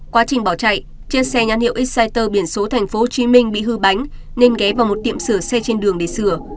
quá trình bỏ chạy chiếc xe nhắn hiệu exciter biển số tp hcm bị hư bánh nên ghé vào một tiệm sửa xe trên đường để sửa